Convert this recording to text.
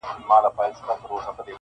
نوي نوي تختې غواړي قاسم یاره.